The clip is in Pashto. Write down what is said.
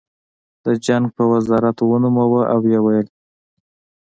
د جنګ په وزارت ونوموه او ویې ویل